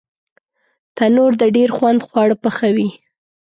تنور د ډېر خوند خواړه پخوي